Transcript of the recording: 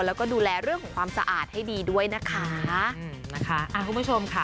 แล้วก็ดูแลเรื่องของความสะอาดให้ดีด้วยนะคะอืมนะคะอ่าคุณผู้ชมค่ะ